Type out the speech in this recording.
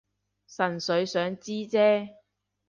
純粹想知啫